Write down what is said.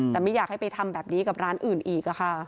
แต่ไม่อยากให้ไปทำแบบนี้กับร้านอื่นอีก